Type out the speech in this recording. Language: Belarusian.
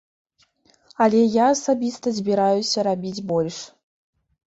Але я асабіста збіраюся рабіць больш.